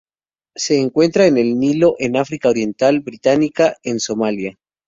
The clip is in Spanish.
Se encuentra en el Nilo en África Oriental Británica en Somalia.